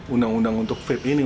undang undang untuk vape ini